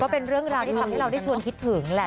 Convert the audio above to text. เป็นเรื่องราวที่ทำให้เราได้ชวนคิดถึงแหละ